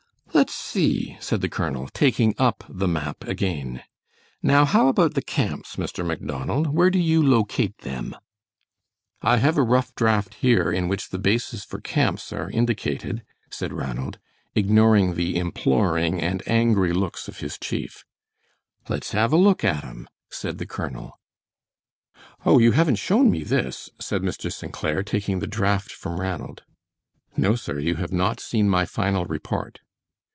"Let's see," said the colonel, taking up the map again. "Now how about the camps, Mr. Macdonald, where do you locate them?" "I have a rough draught here in which the bases for camps are indicated," said Ranald, ignoring the imploring and angry looks of his chief. "Let's have a look at 'em," said the colonel. "Oh, you haven't shown me this," said Mr. St. Clair, taking the draught from Ranald. "No, sir, you have not seen my final report."